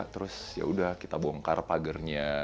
terus yaudah kita bongkar pagarnya